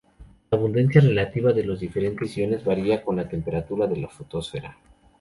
La abundancia relativa de los diferentes iones varía con la temperatura de la fotosfera.